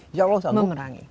insya allah sanggup